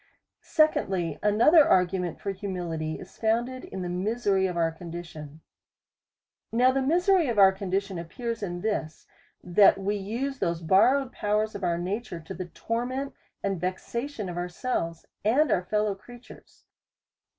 Secondly, Another argument for humility, is found ed in the misery of our condition. . Now the misery of our condition appears in this. DEVOUT AND HOLY LIFE. 211 that we use the borrowed powers of our, nature, to the torment and vexation of ourselves^ and our fellow creatures.